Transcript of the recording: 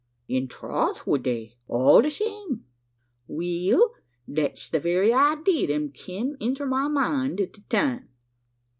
"In troth, would they all that same." "We ell, thet's the very idee thet kem inter my mind at the time."